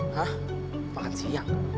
hah makan siang